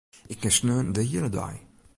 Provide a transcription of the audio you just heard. Ik kin sneon de hiele dei.